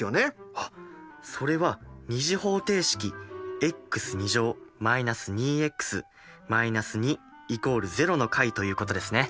あっそれは２次方程式の解ということですね！